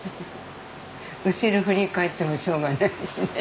後ろ振り返ってもしょうがないしね。